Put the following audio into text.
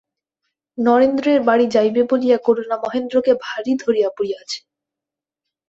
নরেন্দ্রের বাড়ি যাইবে বলিয়া করুণা মহেন্দ্রকে ভারি ধরিয়া পড়িয়াছে।